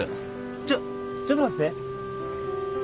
ちょちょっと待ってて。